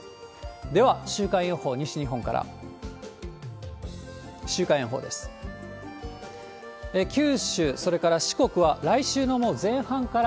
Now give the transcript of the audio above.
では、週間予報、西日本から。